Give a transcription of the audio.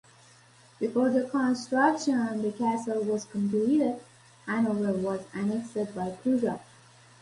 Before the construction on the castle was completed, Hanover was annexed by Prussia.